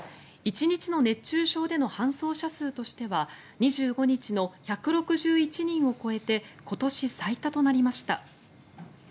１日の熱中症での搬送者数としては２５日の１６１人を超えて今年最多となりました。